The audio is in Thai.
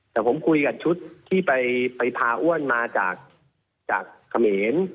แต่ผมคุยกับชุดที่ไปพาอ้วนมาจากเขมร